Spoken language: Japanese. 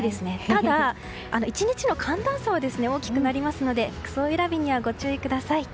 ただ、１日の寒暖差は大きくなりますので服装選びにはご注意ください。